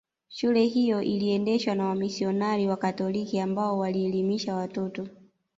Shule hiyo iliendeshwa na wamisionari Wakatoliki ambao walielimisha watoto